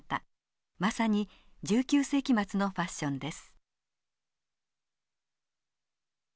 まさに１９世紀末のファッションです。